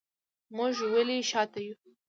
موږ ولې شاته یو